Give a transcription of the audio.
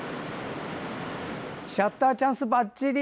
シャッターチャンスばっちり！